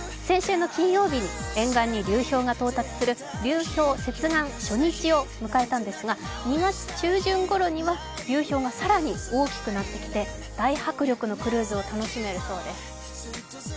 先週の金曜日に沿岸に流氷が接岸する流氷接岸初日を迎えたんですが、２月中旬ごろには流氷が更に大きくなってきて大迫力のクルーズを楽しめるそうです。